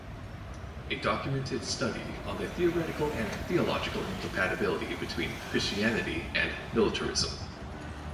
A documented study on the theoretical and theological incompatibility between Christianity and militarism.